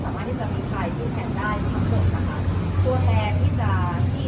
ตัวแทนที่จะที่รัฐบาลจะกระดับมาพูดคุยเนี่ย